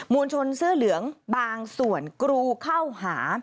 วลชนเสื้อเหลืองบางส่วนกรูเข้าหา